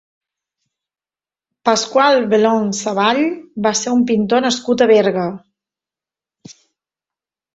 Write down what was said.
Pasqual Bailon Savall va ser un pintor nascut a Berga.